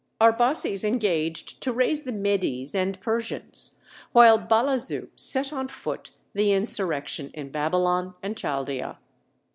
Arbaces engaged to raise the Medes and Persians, while Balazu set on foot the insurrection in Babylon and Chaldæa.